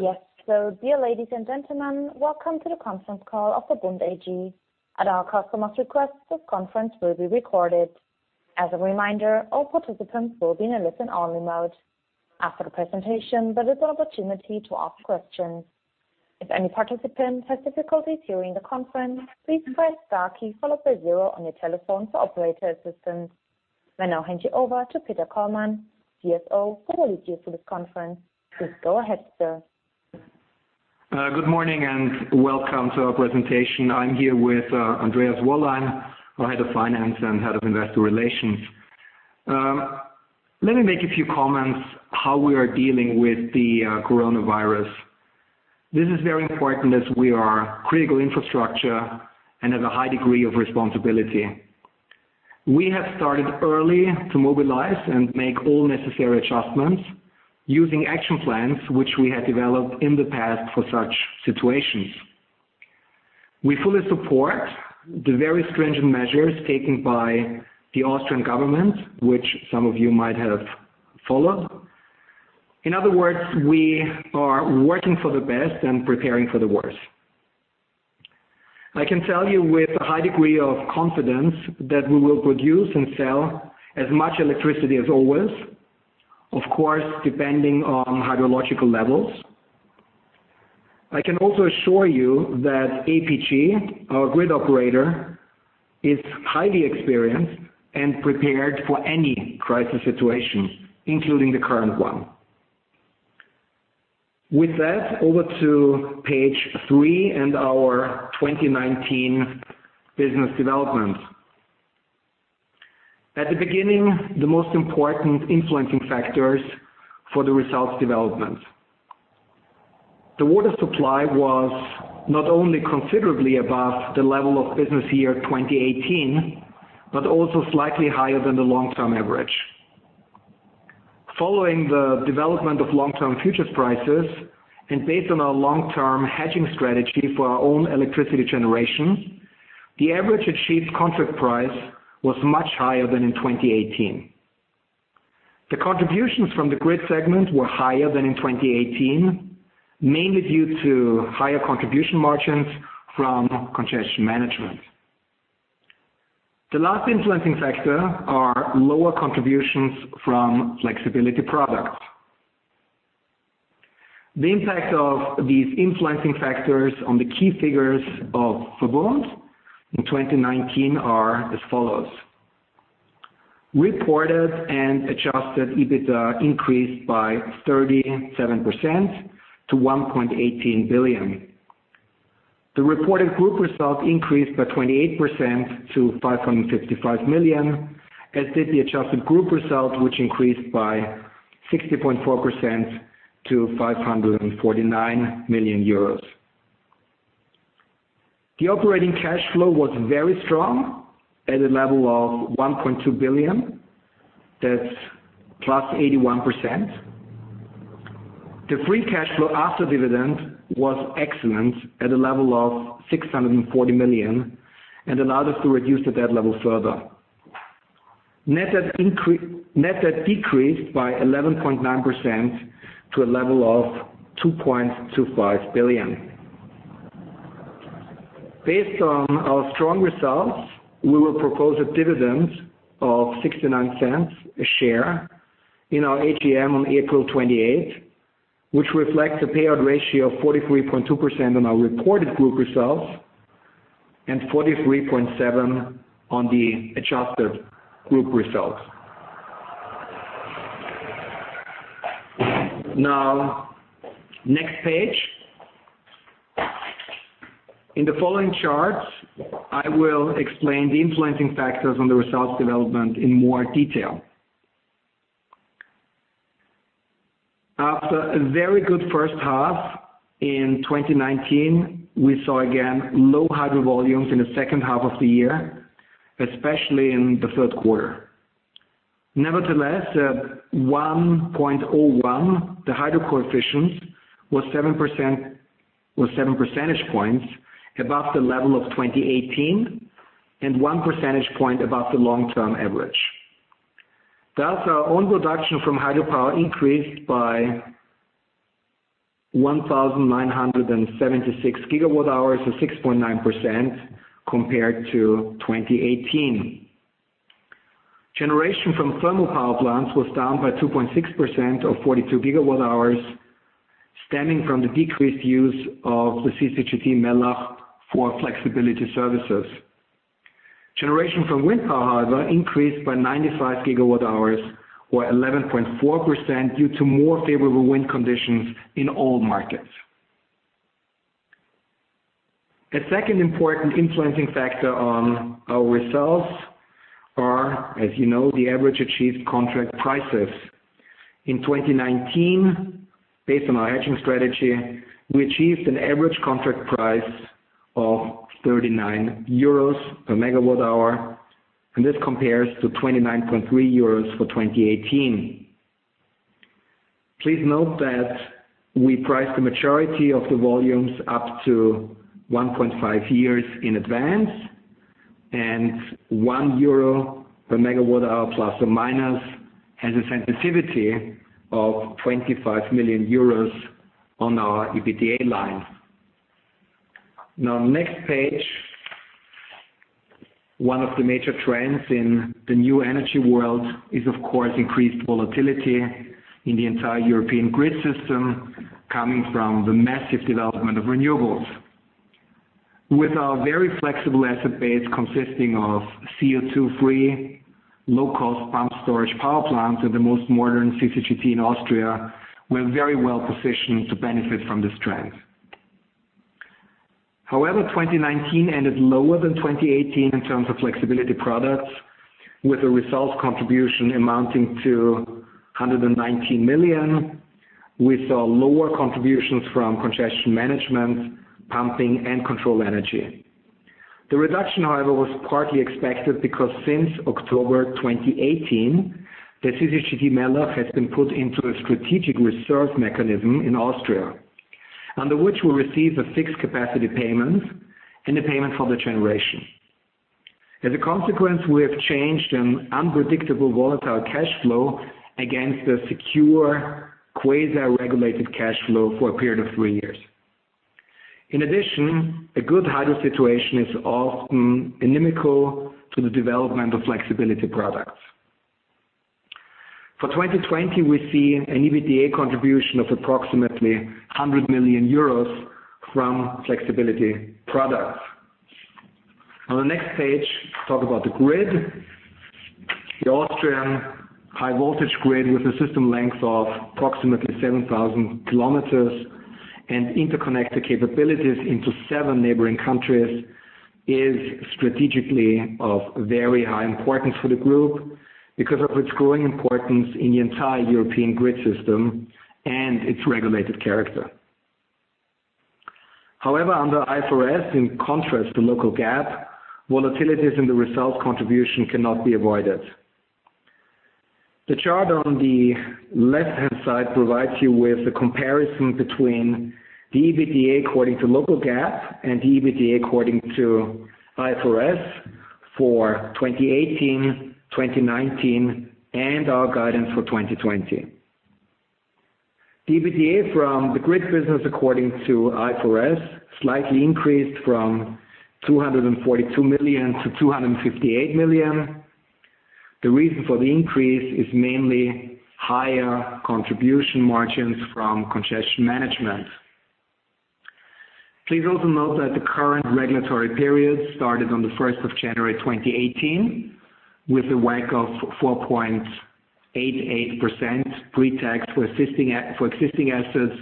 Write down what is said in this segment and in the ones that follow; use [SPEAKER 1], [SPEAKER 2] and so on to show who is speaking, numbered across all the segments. [SPEAKER 1] Yes. Dear ladies and gentlemen, welcome to the conference call of VERBUND AG. At our customer's request, this conference will be recorded. As a reminder, all participants will be in a listen-only mode. After the presentation, there is an opportunity to ask questions. If any participant has difficulties hearing the conference, please press star key followed by zero on your telephone for operator assistance. I now hand you over to Peter Kollmann, CFO, who will lead you through this conference. Please go ahead, sir.
[SPEAKER 2] Good morning and welcome to our presentation. I'm here with Andreas Wollein, our head of finance and head of investor relations. Let me make a few comments how we are dealing with the coronavirus. This is very important as we are critical infrastructure and have a high degree of responsibility. We have started early to mobilize and make all necessary adjustments using action plans, which we had developed in the past for such situations. We fully support the very stringent measures taken by the Austrian government, which some of you might have followed. In other words, we are working for the best and preparing for the worst. I can tell you with a high degree of confidence that we will produce and sell as much electricity as always, of course, depending on hydrological levels. I can also assure you that APG, our grid operator, is highly experienced and prepared for any crisis situation, including the current one. With that, over to page three and our 2019 business development. At the beginning, the most important influencing factors for the results development. The water supply was not only considerably above the level of business year 2018, but also slightly higher than the long-term average. Following the development of long-term futures prices and based on our long-term hedging strategy for our own electricity generation, the average achieved contract price was much higher than in 2018. The contributions from the grid segment were higher than in 2018, mainly due to higher contribution margins from congestion management. The last influencing factor are lower contributions from flexibility products. The impact of these influencing factors on the key figures of VERBUND in 2019 are as follows. Reported and adjusted EBITDA increased by 37% to 1.18 billion. The reported group results increased by 28% to 555 million, as did the adjusted group results, which increased by 60.4% to 549 million euros. The operating cash flow was very strong at a level of 1.2 billion. That's plus 81%. The free cash flow after dividend was excellent at a level of 640 million and allowed us to reduce the debt level further. Net debt decreased by 11.9% to a level of 2.25 billion. Based on our strong results, we will propose a dividend of 0.69 a share in our AGM on April 28, which reflects a payout ratio of 43.2% on our reported group results and 43.7% on the adjusted group results. Next page. In the following charts, I will explain the influencing factors on the results development in more detail. After a very good first half in 2019, we saw again low hydro volumes in the second half of the year, especially in the third quarter. Nevertheless, at 1.01, the hydro coefficient was 7 percentage points above the level of 2018 and 1 percentage point above the long-term average. Thus, our own production from hydropower increased by 1,976 gigawatt hours or 6.9% compared to 2018. Generation from thermal power plants was down by 2.6% or 42 gigawatt hours, stemming from the decreased use of the CCGT Mellach for flexibility services. Generation from wind power, however, increased by 95 gigawatt hours or 11.4% due to more favorable wind conditions in all markets. A second important influencing factor on our results is, as you know, the average achieved contract prices. In 2019, based on our hedging strategy, we achieved an average contract price of 39 euros per MW hour, this compares to 29.3 euros for 2018. Please note that we priced the majority of the volumes up to 1.5 years in advance. 1 euro per MW hour plus or minus has a sensitivity of 25 million euros on our EBITDA line. Now, next page. One of the major trends in the new energy world is, of course, increased volatility in the entire European grid system coming from the massive development of renewables. With our very flexible asset base consisting of CO2-free, low-cost pumped storage power plants and the most modern CCGT in Austria, we're very well-positioned to benefit from this trend. However, 2019 ended lower than 2018 in terms of flexibility products, with a result contribution amounting to 119 million, with our lower contributions from congestion management, pumping, and control energy. The reduction, however, was partly expected because since October 2018, the CCGT Mellach has been put into a strategic reserve mechanism in Austria, under which we receive a fixed capacity payment and a payment for the generation. As a consequence, we have changed an unpredictable volatile cash flow against a secure quasi-regulated cash flow for a period of three years. In addition, a good hydro situation is often inimical to the development of flexibility products. For 2020, we see an EBITDA contribution of approximately 100 million euros from flexibility products. On the next page, talk about the grid. The Austrian high voltage grid, with a system length of approximately 7,000 km and interconnected capabilities into seven neighboring countries, is strategically of very high importance for the group because of its growing importance in the entire European grid system and its regulated character. Under IFRS, in contrast to local GAAP, volatilities in the results contribution cannot be avoided. The chart on the left-hand side provides you with a comparison between the EBITDA according to local GAAP and the EBITDA according to IFRS for 2018, 2019, and our guidance for 2020. EBITDA from the grid business according to IFRS slightly increased from 242 million to 258 million. The reason for the increase is mainly higher contribution margins from congestion management. Please also note that the current regulatory period started on the 1st of January 2018 with a WACC of 4.88% pre-tax for existing assets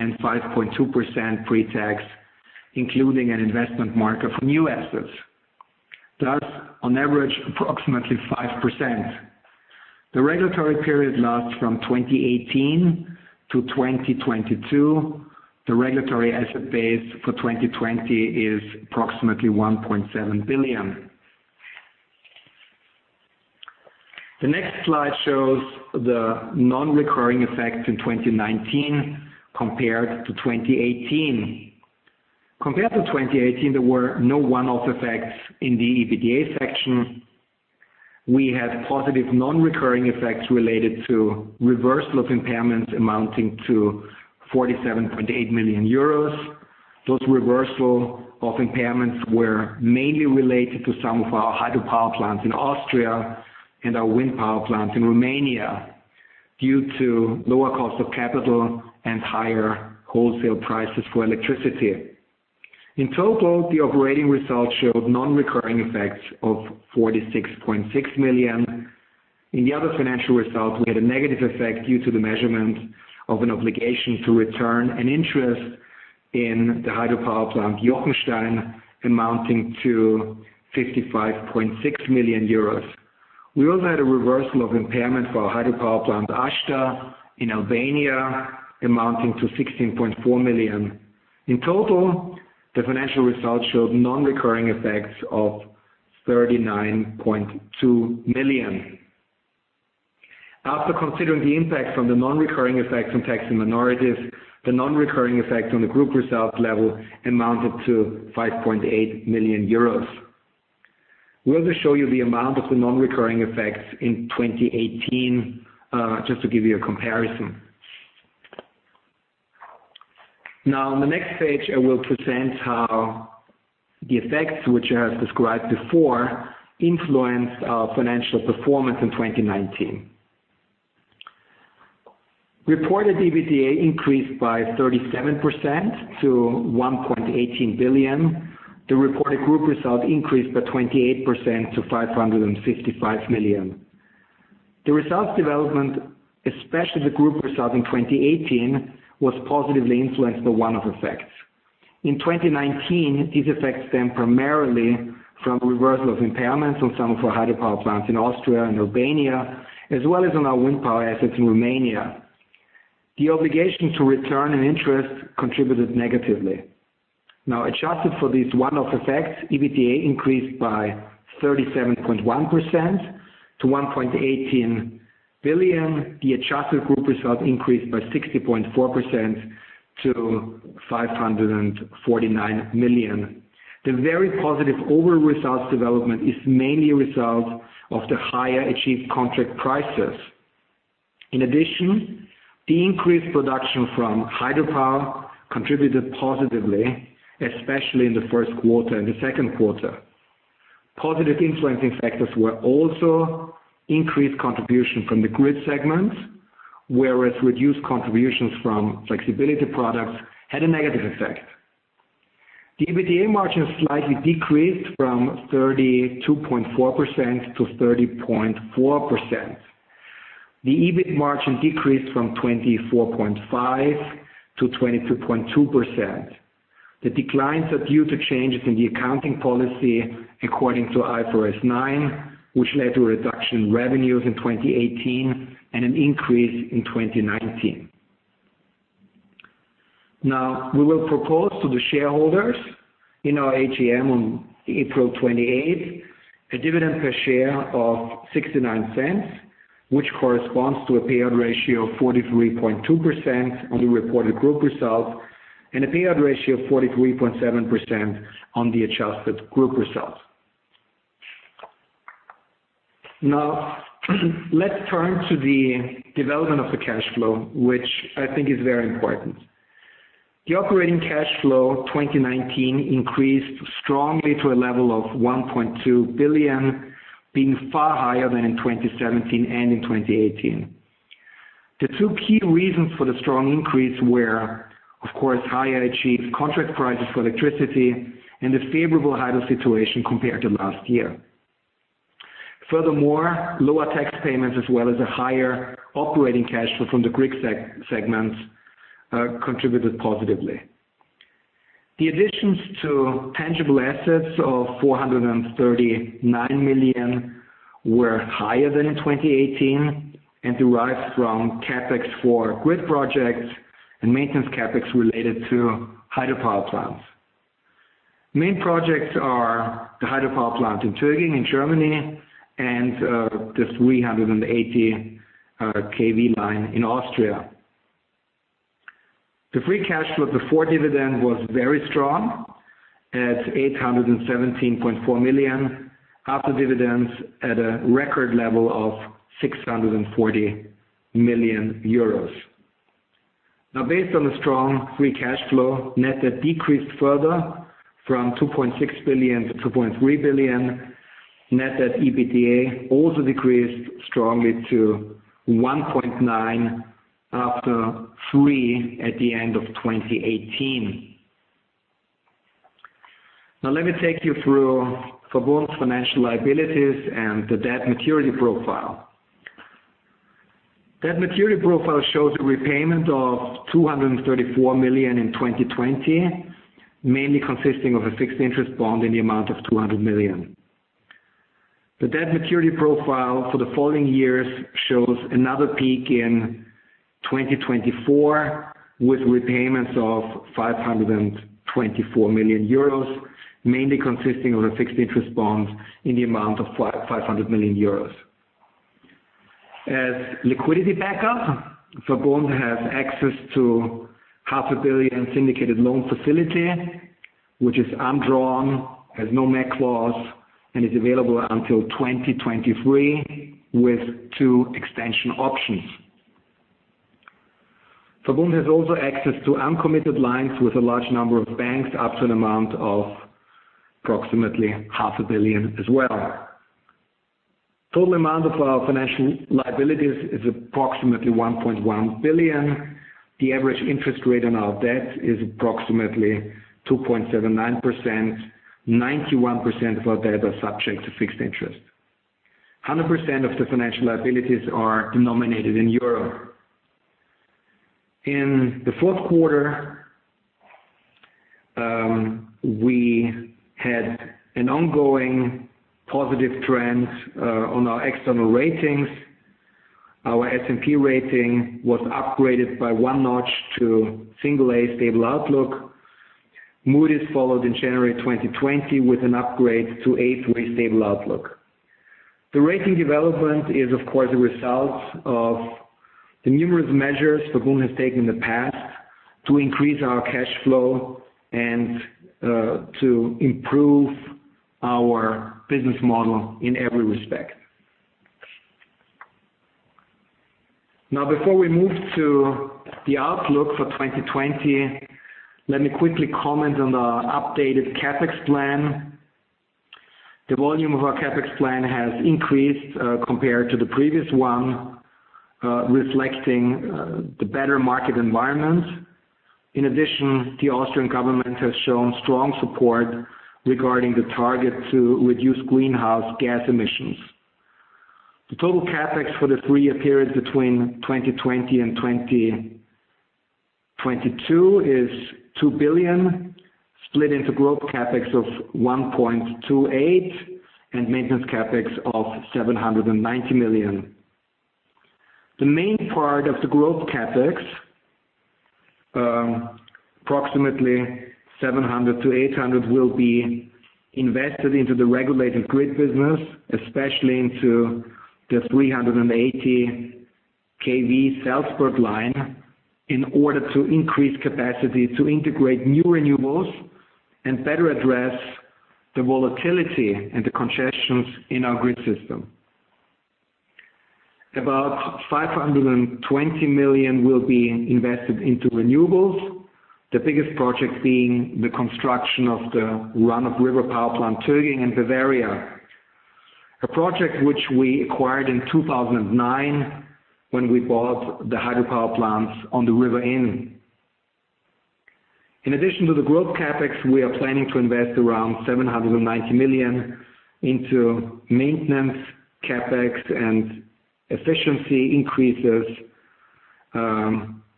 [SPEAKER 2] and 5.2% pre-tax, including an investment mark of new assets. On average, approximately 5%. The regulatory period lasts from 2018 to 2022. The regulatory asset base for 2020 is approximately EUR 1.7 billion. The next slide shows the non-recurring effects in 2019 compared to 2018. Compared to 2018, there were no one-off effects in the EBITDA section. We had positive non-recurring effects related to reversal of impairments amounting to 47.8 million euros. Those reversal of impairments were mainly related to some of our hydropower plants in Austria and our wind power plants in Romania due to lower cost of capital and higher wholesale prices for electricity. In total, the operating results showed non-recurring effects of 46.6 million. In the other financial results, we had a negative effect due to the measurement of an obligation to return an interest in the hydropower plant, Jochenstein, amounting to 55.6 million euros. We also had a reversal of impairment for our hydropower plant, Ashta, in Albania amounting to 16.4 million. In total, the financial results showed non-recurring effects of 39.2 million. After considering the impact from the non-recurring effects and taxing minorities, the non-recurring effects on the group results level amounted to 5.8 million euros. We also show you the amount of the non-recurring effects in 2018, just to give you a comparison. On the next page, I will present how the effects which I have described before influenced our financial performance in 2019. Reported EBITDA increased by 37% to 1.18 billion. The reported group results increased by 28% to 555 million. The results development, especially the group results in 2018, was positively influenced by one-off effects. In 2019, these effects stem primarily from reversal of impairments on some of our hydropower plants in Austria and Albania, as well as on our wind power assets in Romania. The obligation to return an interest contributed negatively. Adjusted for these one-off effects, EBITDA increased by 37.1% to 1.18 billion. The adjusted group results increased by 60.4% to 549 million. The very positive overall results development is mainly a result of the higher achieved contract prices. In addition, the increased production from hydropower contributed positively, especially in the first quarter and the second quarter. Positive influencing factors were also increased contribution from the grid segment, whereas reduced contributions from flexibility products had a negative effect. The EBITDA margin slightly decreased from 32.4%-30.4%. The EBIT margin decreased from 24.5%-22.2%. The declines are due to changes in the accounting policy according to IFRS 9, which led to a reduction in revenues in 2018 and an increase in 2019. We will propose to the shareholders in our AGM on April 28th, a dividend per share of 0.69, which corresponds to a payout ratio of 43.2% on the reported group results and a payout ratio of 43.7% on the adjusted group results. Let's turn to the development of the cash flow, which I think is very important. The operating cash flow 2019 increased strongly to a level of 1.2 billion, being far higher than in 2017 and in 2018. The two key reasons for the strong increase were, of course, higher achieved contract prices for electricity and the favorable hydro situation compared to last year. Furthermore, lower tax payments as well as a higher operating cash flow from the grid segment contributed positively. The additions to tangible assets of 439 million were higher than in 2018 and derives from CapEx for grid projects and maintenance CapEx related to hydropower plants. Main projects are the hydropower plant in Thuringia in Germany and this 380 kV line in Austria. The free cash flow before dividend was very strong at 817.4 million, after dividends at a record level of 640 million euros. Based on the strong free cash flow, net debt decreased further from 2.6 billion to 2.3 billion. Net debt EBITDA also decreased strongly to 1.9x after 3x at the end of 2018. Let me take you through VERBUND's financial liabilities and the debt maturity profile. Debt maturity profile shows a repayment of 234 million in 2020, mainly consisting of a fixed interest bond in the amount of 200 million. The debt maturity profile for the following years shows another peak in 2024 with repayments of 524 million euros, mainly consisting of a fixed interest bond in the amount of 500 million euros. As liquidity backup, VERBUND has access to half a billion syndicated loan facility, which is undrawn, has no MAC clause, and is available until 2023 with two extension options. VERBUND has also access to uncommitted lines with a large number of banks up to an amount of approximately half a billion as well. Total amount of our financial liabilities is approximately 1.1 billion. The average interest rate on our debt is approximately 2.79%. 91% of our debt are subject to fixed interest. 100% of the financial liabilities are denominated in EUR. In the fourth quarter, we had an ongoing positive trend on our external ratings. Our S&P rating was upgraded by one notch to single A stable outlook. Moody's followed in January 2020 with an upgrade to A3 stable outlook. The rating development is, of course, a result of the numerous measures VERBUND has taken in the past to increase our cash flow and to improve our business model in every respect. Now, before we move to the outlook for 2020, let me quickly comment on the updated CapEx plan. The volume of our CapEx plan has increased compared to the previous one, reflecting the better market environment. In addition, the Austrian government has shown strong support regarding the target to reduce greenhouse gas emissions. The total CapEx for the three-year period between 2020 and 2022 is 2 billion, split into growth CapEx of 1.28 and maintenance CapEx of 790 million. The main part of the growth CapEx. Approximately 700 million-800 million will be invested into the regulated grid business, especially into the 380 kV Salzburg line, in order to increase capacity to integrate new renewables and better address the volatility and the congestions in our grid system. About 520 million will be invested into renewables, the biggest project being the construction of the run-of-river power plant, Töging, in Bavaria. A project which we acquired in 2009 when we bought the hydropower plants on the River Inn. In addition to the growth CapEx, we are planning to invest around 790 million into maintenance CapEx and efficiency increases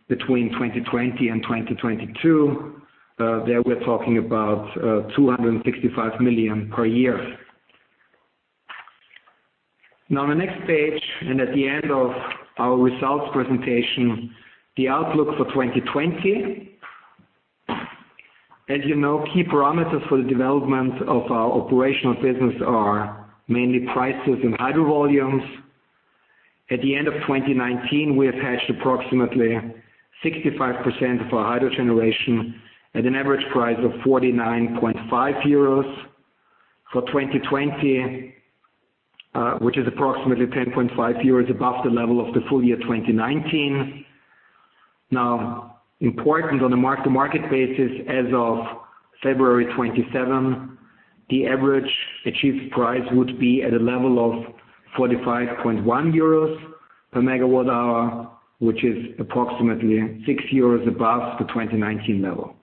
[SPEAKER 2] between 2020 and 2022. There we're talking about 265 million per year. The next page, at the end of our results presentation, the outlook for 2020. As you know, key parameters for the development of our operational business are mainly prices and hydro volumes. At the end of 2019, we have hedged approximately 65% of our hydro generation at an average price of 49.5 euros. For 2020, which is approximately 10.5 euros above the level of the full year 2019. Now, important on the mark-to-market basis, as of February 27, the average achieved price would be at a level of 45.1 euros per MWh, which is approximately 6 euros above the 2019 level.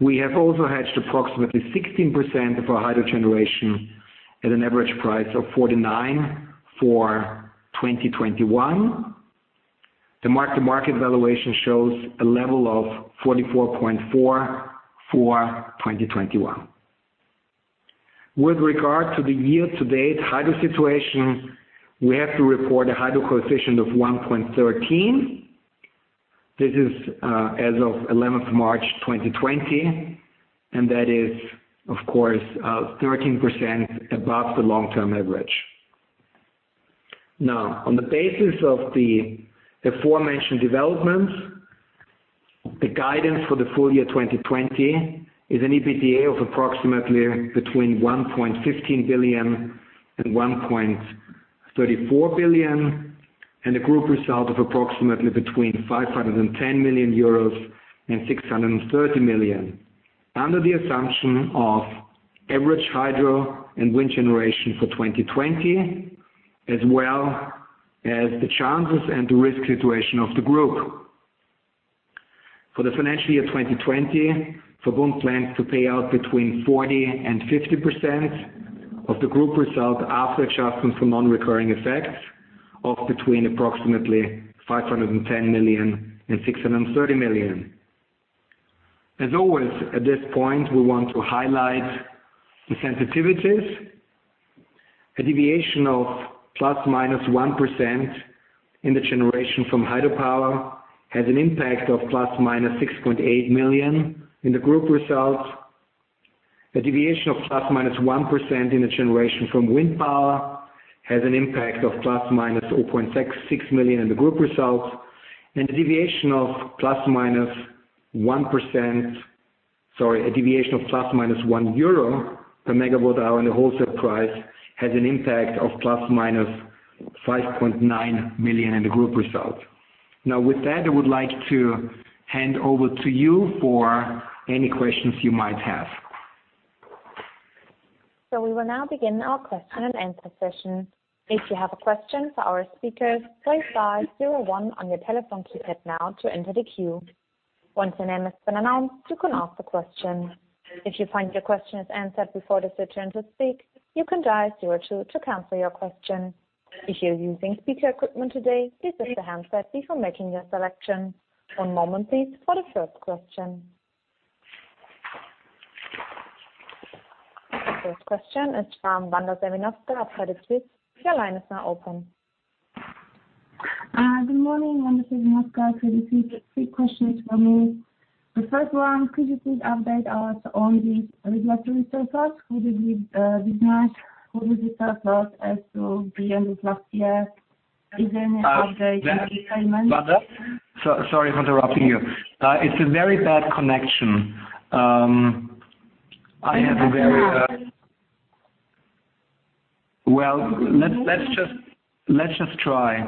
[SPEAKER 2] We have also hedged approximately 16% of our hydro generation at an average price of 49 for 2021. The mark-to-market valuation shows a level of 44.4 for 2021. With regard to the year-to-date hydro situation, we have to report a hydro coefficient of 1.13. This is as of 11th March 2020, that is, of course, 13% above the long-term average. Now, on the basis of the aforementioned developments, the guidance for the full year 2020 is an EBITDA of approximately between 1.15 billion and 1.34 billion, and a group result of approximately between 510 million euros and 630 million, under the assumption of average hydro and wind generation for 2020, as well as the chances and the risk situation of the group. For the financial year 2020, VERBUND plans to pay out between 40% and 50% of the group result after adjusting for non-recurring effects of between approximately 510 million and 630 million. As always, at this point, we want to highlight the sensitivities. A deviation of ±1% in the generation from hydropower has an impact of ±6.8 million in the group results. A deviation of ±1% in the generation from wind power has an impact of ±0.66 million in the group results. A deviation of ±1%, sorry, a deviation of ±1 euro per MW hour in the wholesale price has an impact of ±5.9 million in the group results. With that, I would like to hand over to you for any questions you might have.
[SPEAKER 1] We will now begin our question and answer session. If you have a question for our speakers, press star 01 on your telephone keypad now to enter the queue. Once your name has been announced, you can ask the question. If you find your question is answered before it is your turn to speak, you can dial 02 to cancel your question. If you're using speaker equipment today, please press the pound sign before making your selection. One moment please for the first question. The first question is from Wanda Serwinowska of Credit Suisse. Your line is now open.
[SPEAKER 3] Good morning, Wanda Serwinowska, Credit Suisse. Three questions from me. The first one, could you please update us on the regulatory surplus? Who did you design? Who did the surplus as to the end of last year? Is there any update on the payment?
[SPEAKER 2] Wanda? Sorry for interrupting you. It's a very bad connection. I have a very.
[SPEAKER 3] Can you hear me now?
[SPEAKER 2] Well, let's just try.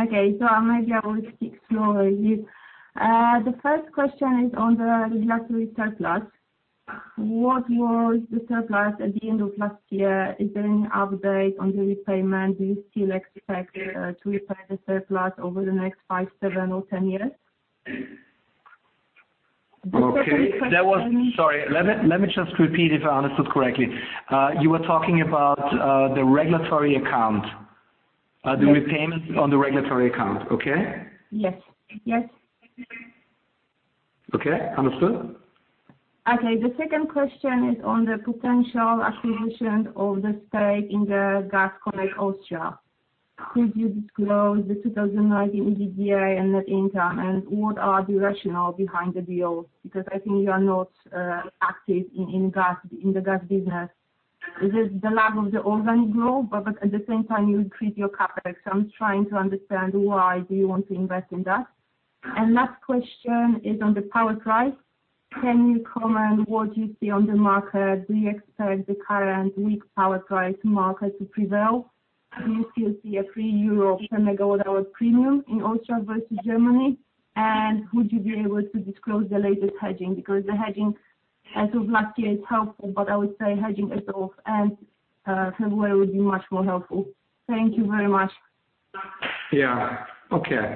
[SPEAKER 3] Okay. Maybe I will speak slowly. The first question is on the regulatory surplus. What was the surplus at the end of last year? Is there any update on the repayment? Do you still expect to repay the surplus over the next five, seven, or 10 years?
[SPEAKER 2] Okay. Sorry, let me just repeat if I understood correctly. You were talking about, the regulatory account, the repayment on the regulatory account, okay?
[SPEAKER 3] Yes.
[SPEAKER 2] Okay, understood?
[SPEAKER 3] Okay. The second question is on the potential acquisition of the stake in Gas Connect Austria. Could you disclose the 2019 EBITDA and net income? What are the rationale behind the deals? I think you are not active in the gas business. This is the lack of the organic growth. At the same time, you increase your CapEx. I'm trying to understand why do you want to invest in that. Last question is on the power price. Can you comment what you see on the market? Do you expect the current weak power price market to prevail? Do you still see a EUR 3 per MW hour premium in Austria versus Germany? Would you be able to disclose the latest hedging? The hedging as of last year is helpful, but I would say hedging as of end February would be much more helpful. Thank you very much.
[SPEAKER 2] Yeah. Okay.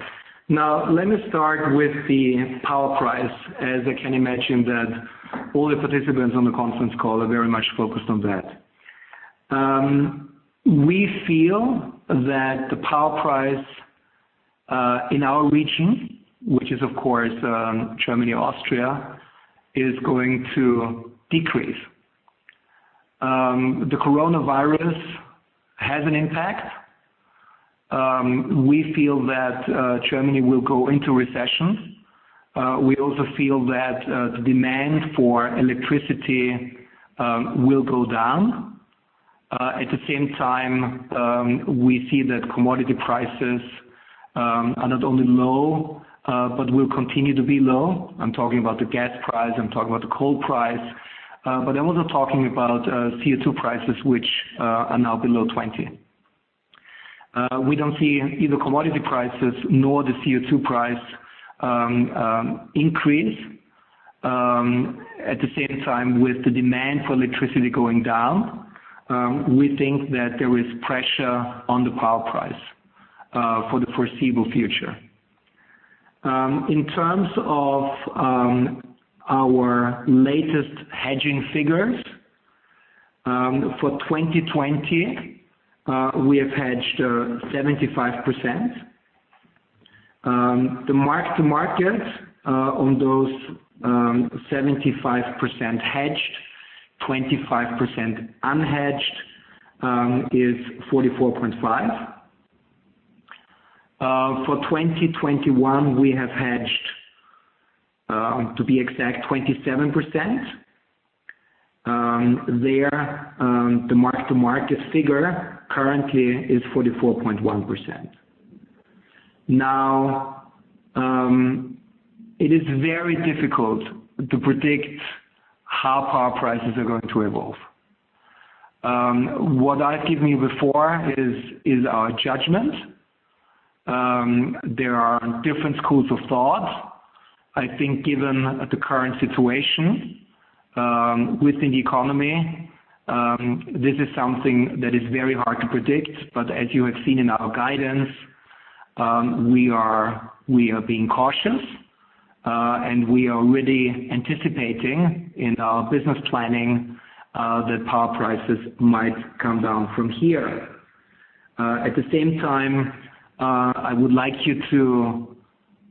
[SPEAKER 2] Now let me start with the power price, as I can imagine that all the participants on the conference call are very much focused on that. We feel that the power price, in our region, which is of course Germany, Austria, is going to decrease. The coronavirus has an impact. We feel that Germany will go into recession. We also feel that the demand for electricity will go down. At the same time, we see that commodity prices are not only low, but will continue to be low. I'm talking about the gas price, I'm talking about the coal price. I'm also talking about CO2 prices, which are now below 20. We don't see either commodity prices nor the CO2 price increase. At the same time, with the demand for electricity going down, we think that there is pressure on the power price for the foreseeable future. In terms of our latest hedging figures, for 2020, we have hedged 75%. The mark-to-market on those, 75% hedged, 25% unhedged, is 44.5. For 2021, we have hedged, to be exact, 27%. There, the mark-to-market figure currently is 44.1%. It is very difficult to predict how power prices are going to evolve. What I've given you before is our judgment. There are different schools of thought. I think given the current situation within the economy, this is something that is very hard to predict. As you have seen in our guidance, we are being cautious, and we are already anticipating in our business planning, that power prices might come down from here. At the same time, I would like you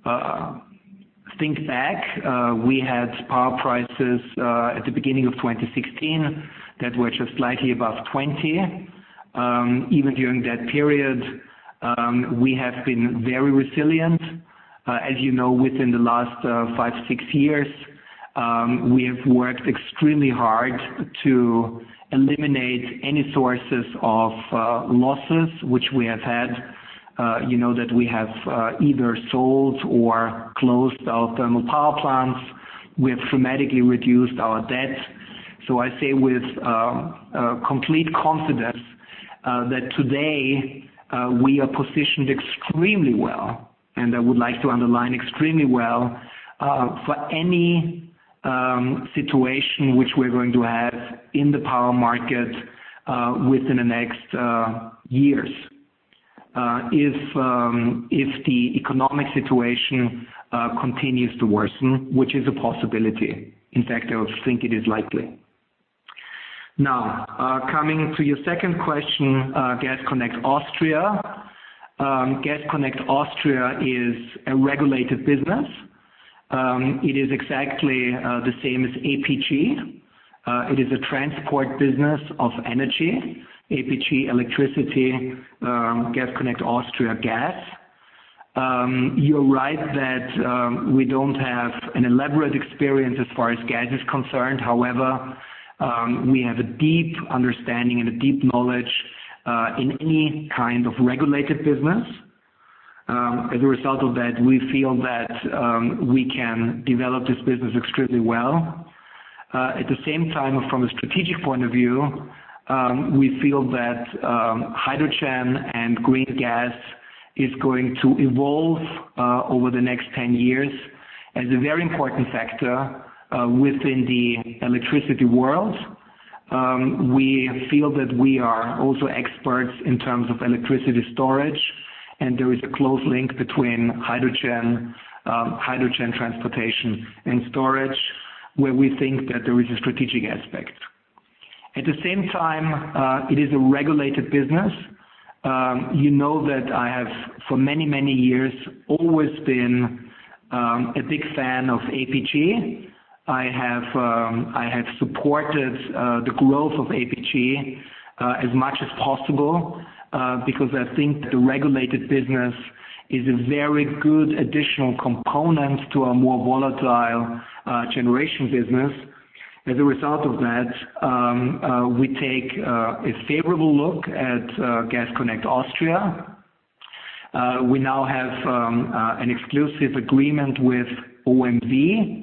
[SPEAKER 2] to think back. We had power prices, at the beginning of 2016, that were just slightly above 20. Even during that period, we have been very resilient. As you know, within the last five, six years, we have worked extremely hard to eliminate any sources of losses which we have had. You know that we have either sold or closed our thermal power plants. We have dramatically reduced our debt. I say with complete confidence that today, we are positioned extremely well, and I would like to underline extremely well, for any situation which we're going to have in the power market within the next years, if the economic situation continues to worsen, which is a possibility. In fact, I would think it is likely. Coming to your second question, Gas Connect Austria. Gas Connect Austria is a regulated business. It is exactly the same as APG. It is a transport business of energy, APG electricity, Gas Connect Austria gas. You're right that we don't have an elaborate experience as far as gas is concerned. However, we have a deep understanding and a deep knowledge in any kind of regulated business. As a result of that, we feel that we can develop this business extremely well. At the same time, from a strategic point of view, we feel that hydrogen and green gas is going to evolve over the next 10 years as a very important factor within the electricity world. We feel that we are also experts in terms of electricity storage, and there is a close link between hydrogen transportation and storage, where we think that there is a strategic aspect. At the same time, it is a regulated business. You know that I have, for many, many years, always been a big fan of APG. I have supported the growth of APG as much as possible because I think the regulated business is a very good additional component to a more volatile generation business. As a result of that, we take a favorable look at Gas Connect Austria. We now have an exclusive agreement with OMV.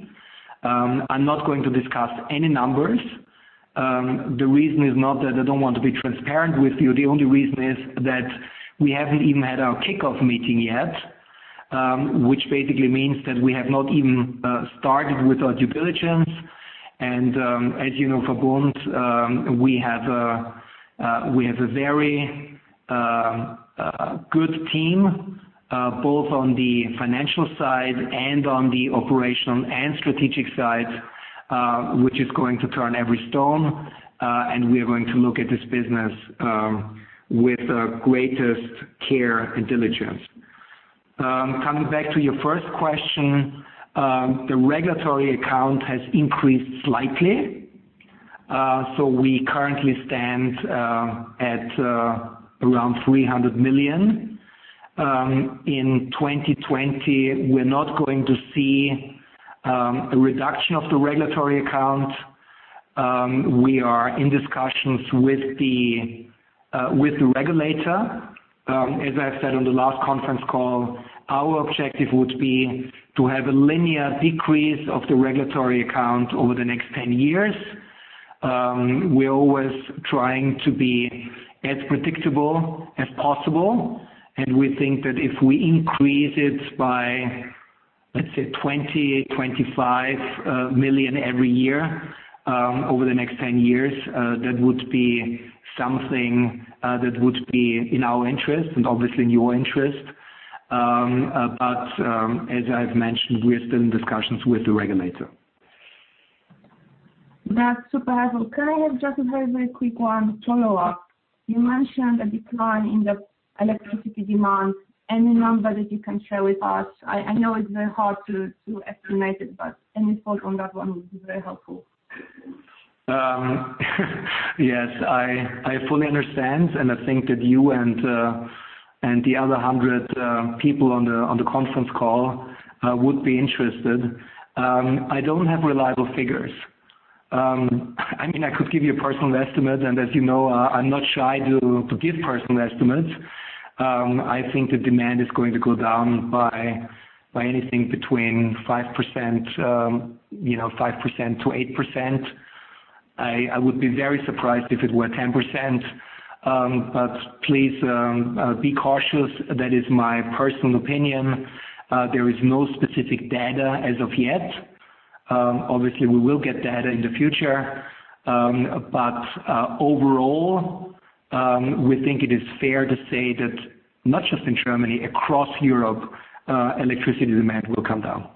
[SPEAKER 2] I'm not going to discuss any numbers. The reason is not that I don't want to be transparent with you. The only reason is that we haven't even had our kickoff meeting yet, which basically means that we have not even started with our due diligence. And, as you know, for VERBUND, we have a very good team, both on the financial side and on the operational and strategic sides, which is going to turn every stone, and we are going to look at this business with the greatest care and diligence. Coming back to your first question, the regulatory account has increased slightly. We currently stand at around 300 million. In 2020, we're not going to see a reduction of the regulatory account. We are in discussions with the regulator. As I have said on the last conference call, our objective would be to have a linear decrease of the regulatory account over the next 10 years. We're always trying to be as predictable as possible, and we think that if we increase it by, let's say, 20 million, 25 million every year over the next 10 years, that would be something that would be in our interest and obviously in your interest. As I've mentioned, we are still in discussions with the regulator.
[SPEAKER 3] That's super helpful. Can I have just a very, very quick one follow-up? You mentioned a decline in the electricity demand. Any number that you can share with us? I know it's very hard to estimate it, but any thought on that one would be very helpful.
[SPEAKER 2] Yes. I fully understand, and I think that you and the other 100 people on the conference call would be interested. I don't have reliable figures. I could give you a personal estimate, and as you know, I'm not shy to give personal estimates. I think the demand is going to go down by anything between 5%-8%. I would be very surprised if it were 10%, but please be cautious. That is my personal opinion. There is no specific data as of yet. Obviously, we will get data in the future. Overall, we think it is fair to say that not just in Germany, across Europe, electricity demand will come down.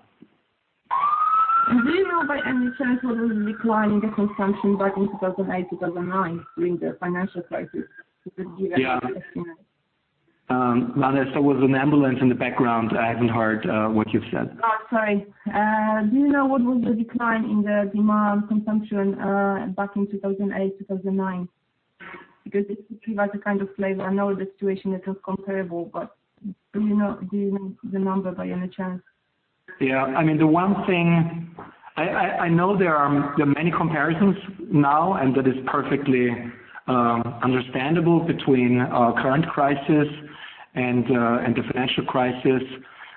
[SPEAKER 3] Do you know by any chance what was the decline in the consumption back in 2008, 2009 during the financial crisis? Could you give any estimate?
[SPEAKER 2] Yeah. Wanda, there was an ambulance in the background. I haven't heard what you've said.
[SPEAKER 3] Oh, sorry. Do you know what was the decline in the demand consumption back in 2008, 2009? It could give us a kind of flavor. I know the situation is not comparable, but do you know the number by any chance?
[SPEAKER 2] Yeah. I know there are many comparisons now, and that is perfectly understandable between our current crisis and the financial crisis.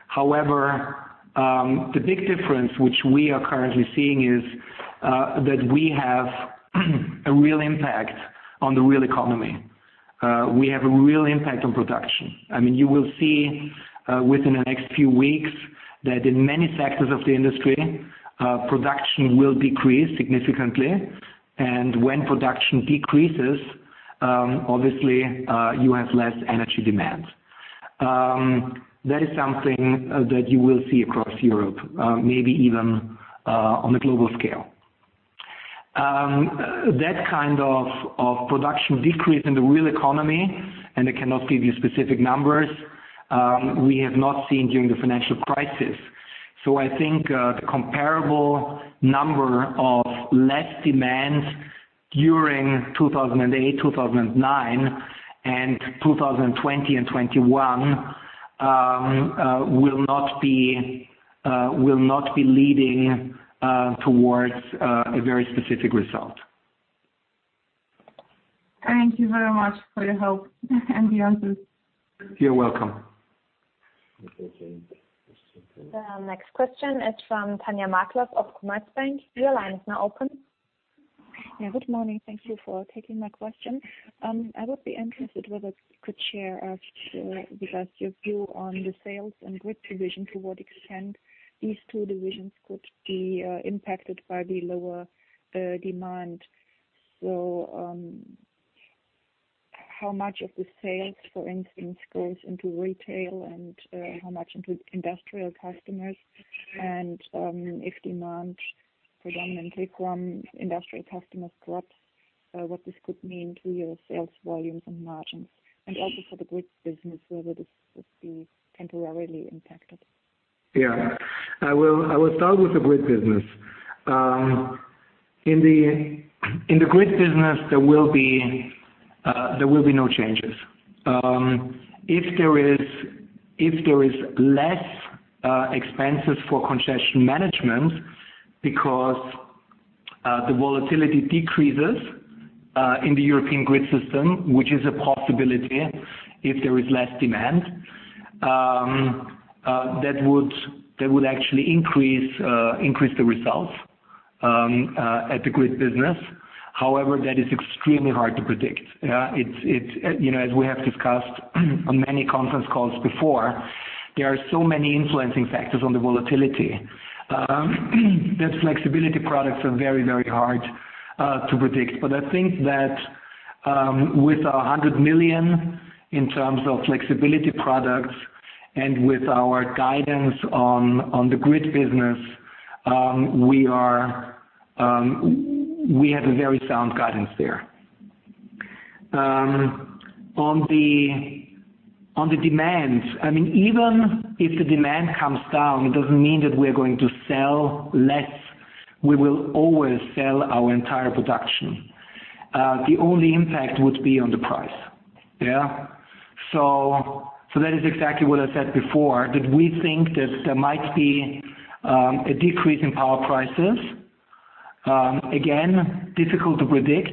[SPEAKER 2] However, the big difference which we are currently seeing is that we have a real impact on the real economy. We have a real impact on production. You will see within the next few weeks that in many sectors of the industry, production will decrease significantly. When production decreases, obviously, you have less energy demand. That is something that you will see across Europe, maybe even on a global scale. That kind of production decrease in the real economy, and I cannot give you specific numbers, we have not seen during the financial crisis. I think the comparable number of less demand during 2008, 2009 and 2020 and 2021 will not be leading towards a very specific result.
[SPEAKER 3] Thank you very much for your help and the answers.
[SPEAKER 2] You're welcome.
[SPEAKER 1] Okay. Next question please. The next question is from Tanja Markloff of Commerzbank. Your line is now open.
[SPEAKER 4] Yeah, good morning. Thank you for taking my question. I would be interested whether you could share with us your view on the sales and group division, to what extent these two divisions could be impacted by the lower demand. How much of the sales, for instance, goes into retail and how much into industrial customers? If demand predominantly from industrial customers drops, what this could mean to your sales volumes and margins, and also for the grid business, whether this would be temporarily impacted.
[SPEAKER 2] Yeah. I will start with the grid business. In the grid business, there will be no changes. If there is less expenses for congestion management because the volatility decreases in the European grid system, which is a possibility if there is less demand, that would actually increase the results at the grid business. That is extremely hard to predict. As we have discussed on many conference calls before, there are so many influencing factors on the volatility that flexibility products are very hard to predict. I think that with 100 million in terms of flexibility products and with our guidance on the grid business, we have a very sound guidance there. On the demands, even if the demand comes down, it doesn't mean that we're going to sell less. We will always sell our entire production. The only impact would be on the price. Yeah. That is exactly what I said before, that we think that there might be a decrease in power prices. Again, difficult to predict,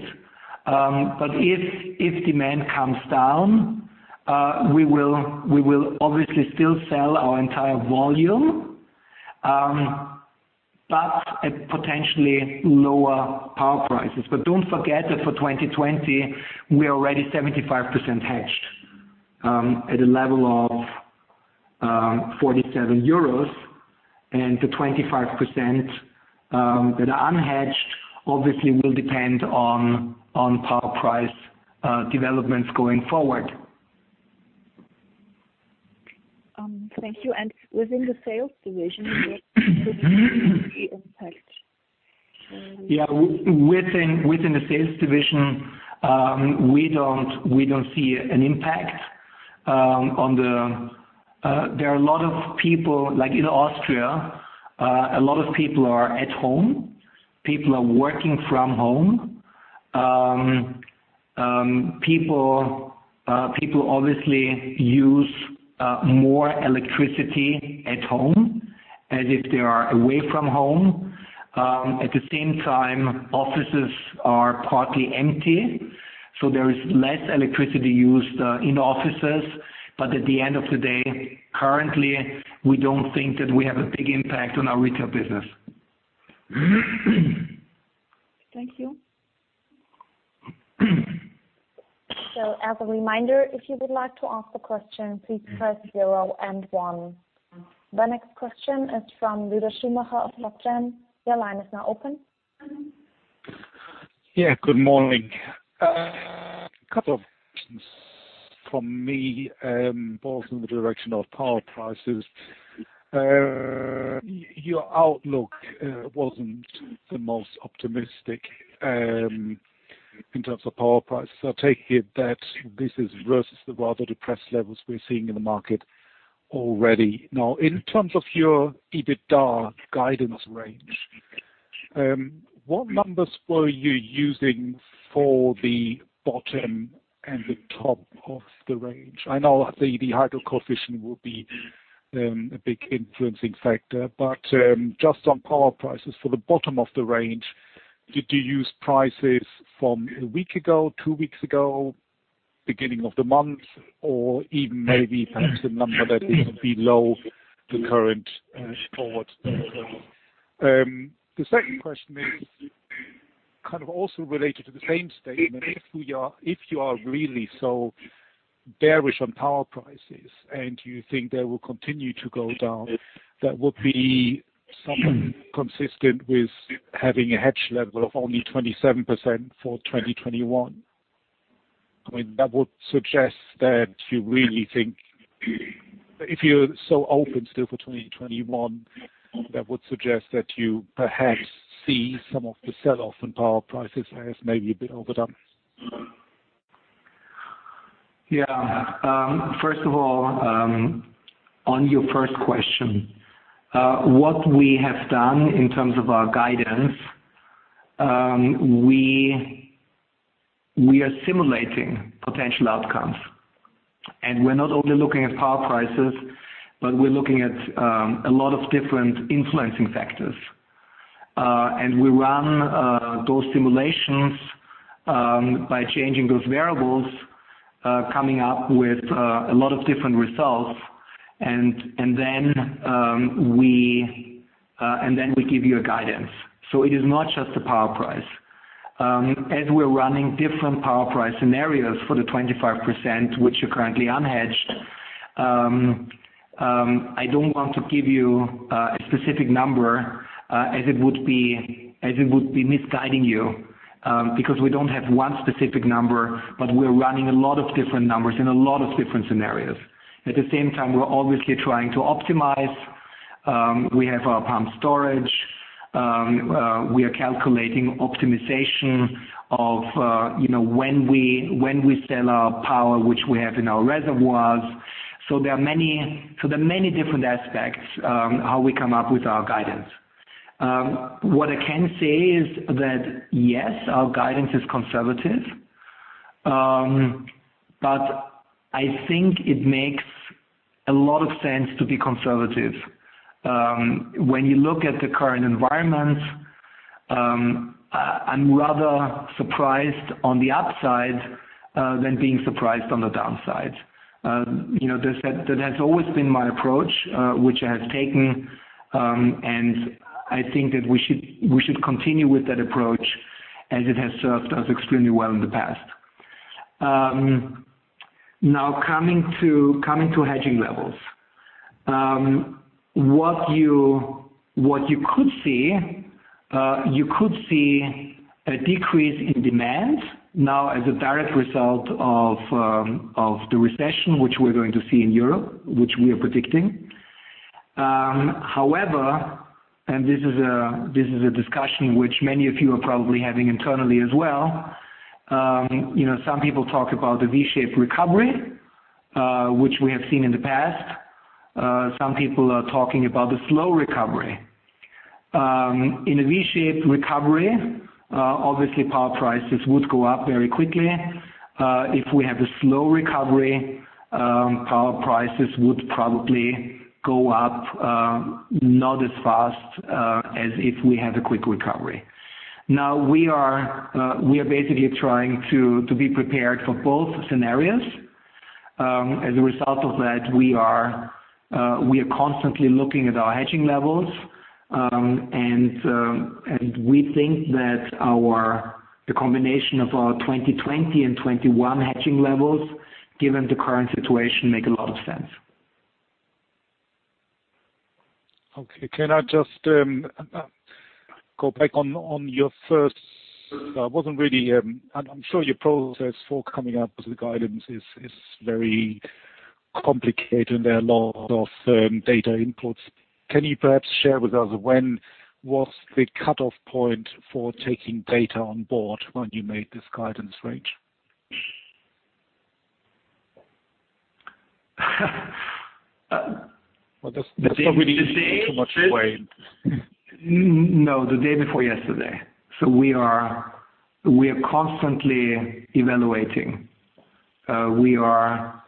[SPEAKER 2] if demand comes down, we will obviously still sell our entire volume, but at potentially lower power prices. Don't forget that for 2020, we are already 75% hedged at a level of 47 euros, and the 25% that are unhedged obviously will depend on power price developments going forward.
[SPEAKER 4] Thank you. Within the sales division, where could you see impact?
[SPEAKER 2] Within the sales division, we don't see an impact. There are a lot of people, like in Austria, a lot of people are at home. People are working from home. People obviously use more electricity at home as if they are away from home. At the same time, offices are partly empty, so there is less electricity used in offices. At the end of the day, currently, we don't think that we have a big impact on our retail business.
[SPEAKER 4] Thank you.
[SPEAKER 1] As a reminder, if you would like to ask a question, please press zero and one. The next question is from Judah Schumacher of Nordea. Your line is now open.
[SPEAKER 5] Good morning. A couple of questions from me, both in the direction of power prices. Your outlook wasn't the most optimistic in terms of power price. I take it that this is versus the rather depressed levels we're seeing in the market already. Now, in terms of your EBITDA guidance range, what numbers were you using for the bottom and the top of the range? I know the hydro coefficient will be a big influencing factor, but just on power prices for the bottom of the range, did you use prices from a week ago, two weeks ago, beginning of the month, or even maybe perhaps a number that is below the current forward? The second question is also related to the same statement. If you are really so bearish on power prices and you think they will continue to go down, that would be somewhat consistent with having a hedge level of only 27% for 2021. If you're so open still for 2021, that would suggest that you perhaps see some of the sell-off in power prices as maybe a bit overdone.
[SPEAKER 2] Yeah. First of all, on your first question, what we have done in terms of our guidance, we are simulating potential outcomes. We're not only looking at power prices, but we're looking at a lot of different influencing factors. We run those simulations by changing those variables, coming up with a lot of different results, and then we give you a guidance. It is not just the power price. As we're running different power price scenarios for the 25%, which are currently unhedged. I don't want to give you a specific number, as it would be misguiding you, because we don't have one specific number, but we're running a lot of different numbers in a lot of different scenarios. At the same time, we're obviously trying to optimize. We have our pumped storage, we are calculating optimization of when we sell our power, which we have in our reservoirs. There are many different aspects how we come up with our guidance. What I can say is that, yes, our guidance is conservative, but I think it makes a lot of sense to be conservative. When you look at the current environment, I'm rather surprised on the upside than being surprised on the downside. That has always been my approach, which I have taken, and I think that we should continue with that approach, as it has served us extremely well in the past. Now, coming to hedging levels. What you could see, you could see a decrease in demand now as a direct result of the recession, which we're going to see in Europe, which we are predicting. This is a discussion which many of you are probably having internally as well. Some people talk about the V-shaped recovery, which we have seen in the past. Some people are talking about a slow recovery. In a V-shaped recovery, obviously power prices would go up very quickly. If we have a slow recovery, power prices would probably go up not as fast as if we have a quick recovery. We are basically trying to be prepared for both scenarios. As a result of that, we are constantly looking at our hedging levels. We think that the combination of our 2020 and 2021 hedging levels, given the current situation, make a lot of sense.
[SPEAKER 5] Okay. I'm sure your process for coming up with the guidance is very complicated, and there are a lot of data inputs. Can you perhaps share with us when was the cutoff point for taking data on board when you made this guidance range? Or that's probably too much away.
[SPEAKER 2] No, the day before yesterday. We are constantly evaluating. We are,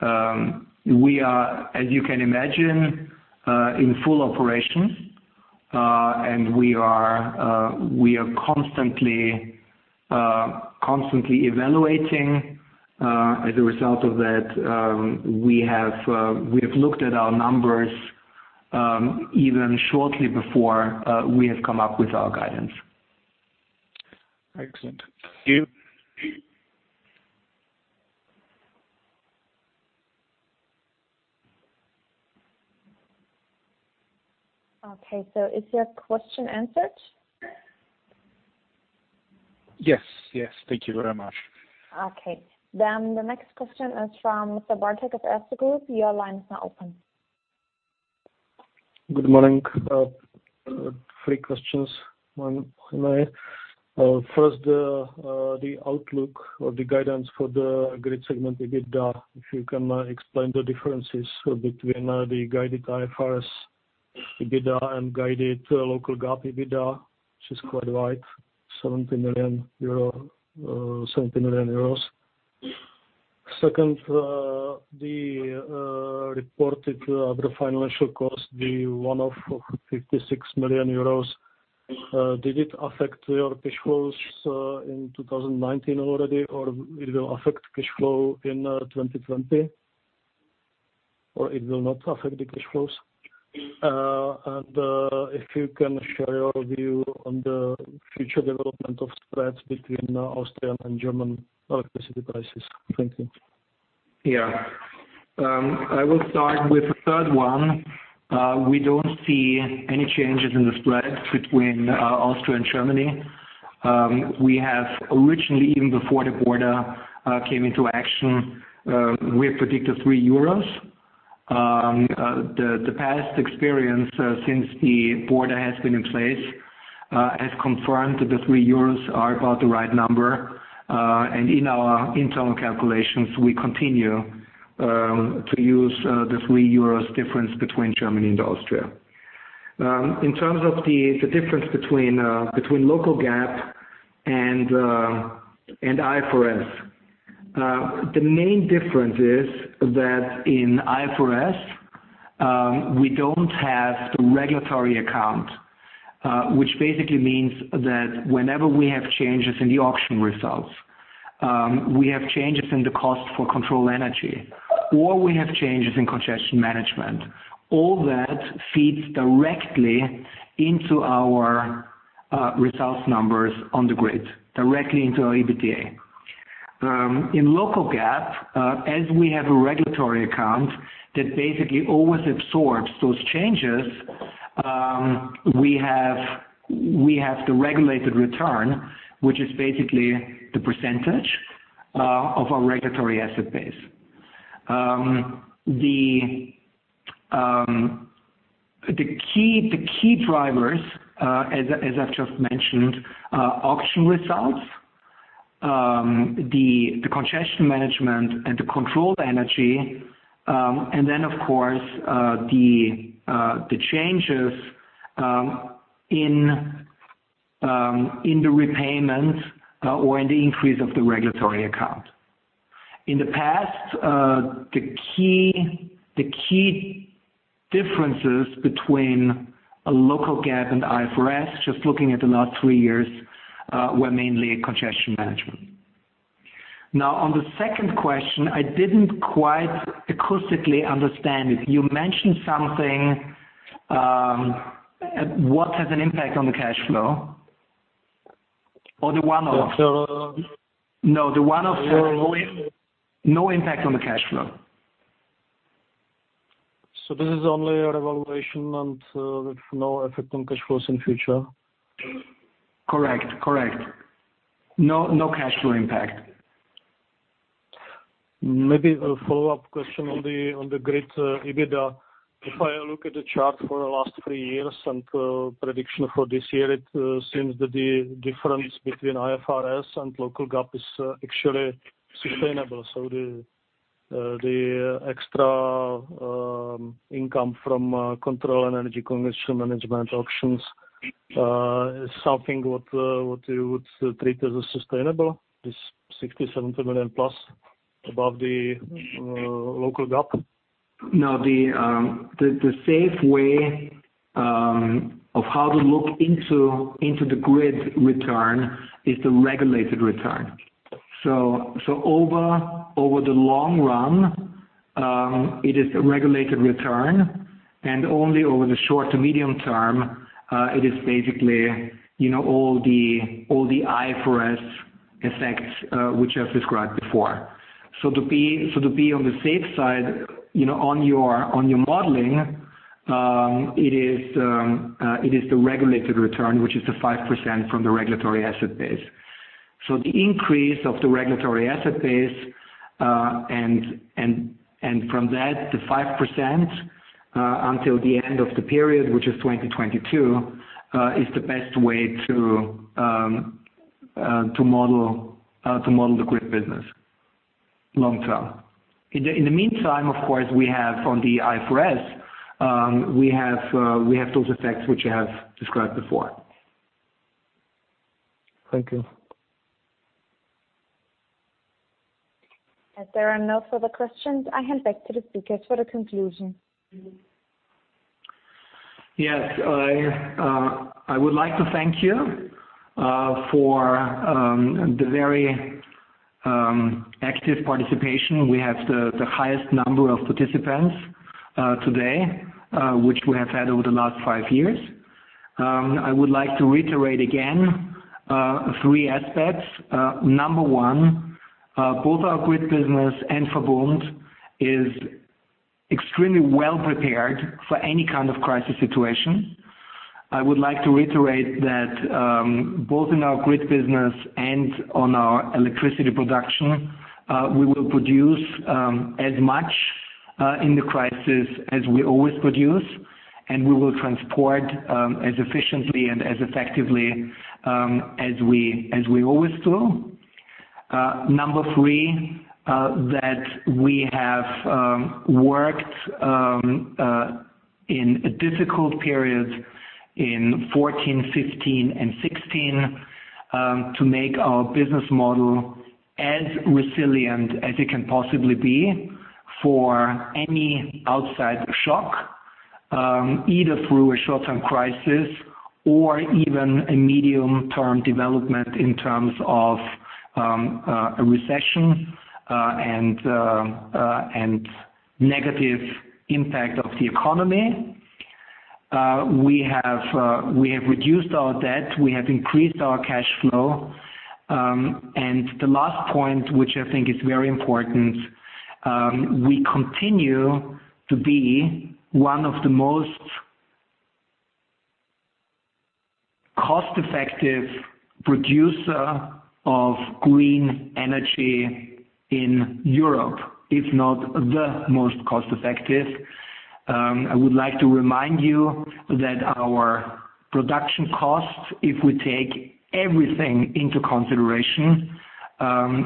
[SPEAKER 2] as you can imagine, in full operation. We are constantly evaluating. As a result of that, we have looked at our numbers, even shortly before we have come up with our guidance.
[SPEAKER 5] Excellent. Thank you.
[SPEAKER 1] Okay, is your question answered?
[SPEAKER 5] Yes. Thank you very much.
[SPEAKER 1] Okay, the next question is from Petr Bartek of Erste Group. Your line is now open.
[SPEAKER 6] Good morning. Three questions. First, the outlook or the guidance for the grid segment, EBITDA, if you can explain the differences between the guided IFRS EBITDA and guided local GAAP EBITDA, which is quite wide, EUR 70 million. Second, the reported other financial cost, the one-off of 56 million euros, did it affect your cash flows in 2019 already or it will affect cash flow in 2020? It will not affect the cash flows? If you can share your view on the future development of spreads between Austrian and German electricity prices. Thank you.
[SPEAKER 2] Yeah. I will start with the third one. We don't see any changes in the spreads between Austria and Germany. We have originally, even before the border came into action, we have predicted 3 euros. The past experience since the border has been in place has confirmed that the 3 euros are about the right number. In our internal calculations, we continue to use the 3 euros difference between Germany and Austria. In terms of the difference between local GAAP and IFRS, the main difference is that in IFRS, we don't have the regulatory account. Which basically means that whenever we have changes in the auction results, we have changes in the cost for control energy, or we have changes in congestion management. All that feeds directly into our results numbers on the grid directly into our EBITDA. In local GAAP, as we have a regulatory account that basically always absorbs those changes, we have the regulated return, which is basically the percentage of our regulatory asset base. The key drivers, as I've just mentioned, auction results, the congestion management and the control energy, of course, the changes in the repayment or in the increase of the regulatory account. In the past, the key differences between a local GAAP and IFRS, just looking at the last three years, were mainly congestion management. On the second question, I didn't quite acoustically understand it. You mentioned something. What has an impact on the cash flow?
[SPEAKER 6] The-
[SPEAKER 2] No, the one-off has no impact on the cash flow.
[SPEAKER 6] This is only a revaluation and with no effect on cash flows in future?
[SPEAKER 2] Correct. No cash flow impact.
[SPEAKER 6] Maybe a follow-up question on the grid EBITDA. If I look at the chart for the last three years and prediction for this year, it seems that the difference between IFRS and local GAAP is actually sustainable. The extra income from control energy, congestion management auctions is something what you would treat as a sustainable, this 60 million-70 million plus above the local GAAP?
[SPEAKER 2] No, the safe way of how to look into the grid return is the regulated return. Over the long run, it is a regulated return, and only over the short to medium term, it is basically all the IFRS effects, which I've described before. To be on the safe side on your modeling, it is the regulated return, which is the 5% from the regulatory asset base. The increase of the regulatory asset base, and from that, the 5% until the end of the period, which is 2022, is the best way to model the grid business long-term. In the meantime, of course, we have on the IFRS, we have those effects which I have described before.
[SPEAKER 6] Thank you.
[SPEAKER 1] As there are no further questions, I hand back to the speakers for the conclusion.
[SPEAKER 2] Yes. I would like to thank you for the very active participation. We have the highest number of participants today, which we have had over the last five years. I would like to reiterate again, three aspects. Number one, both our grid business and VERBUND is extremely well-prepared for any kind of crisis situation. I would like to reiterate that both in our grid business and on our electricity production, we will produce as much in the crisis as we always produce, and we will transport as efficiently and as effectively as we always do. Number three, that we have worked in a difficult period in 2014, 2015, and 2016, to make our business model as resilient as it can possibly be for any outside shock, either through a short-term crisis or even a medium-term development in terms of a recession and negative impact of the economy. We have reduced our debt. We have increased our cash flow. The last point, which I think is very important, we continue to be one of the most cost-effective producer of green energy in Europe, if not the most cost-effective. I would like to remind you that our production cost, if we take everything into consideration,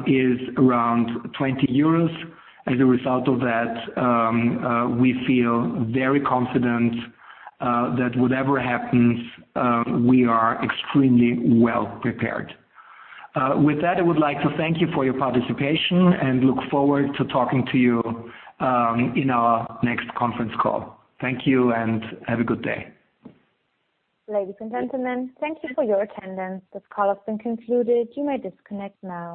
[SPEAKER 2] is around 20 euros. As a result of that, we feel very confident that whatever happens, we are extremely well prepared. With that, I would like to thank you for your participation and look forward to talking to you in our next conference call. Thank you, and have a good day.
[SPEAKER 1] Ladies and gentlemen, thank you for your attendance. This call has been concluded. You may disconnect now.